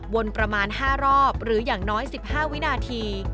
ประมาณ๕รอบหรืออย่างน้อย๑๕วินาที